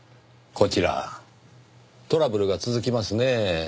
こちらトラブルが続きますねぇ。